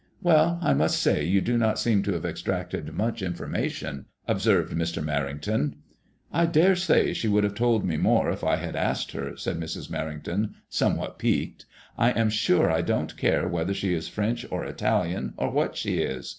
Well, I must say you do not seem to have extracted much information/* observed Mr. Mer rington. I daresay she would have told me more if I had asked her," said Mrs. Merrington, somewhat piqued ;*' I am sure I don't care whether she is French or Italian, or what she is.